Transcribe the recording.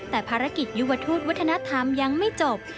แต่ภารกิจยุวทูตวัฒนธรรมยังไม่จบ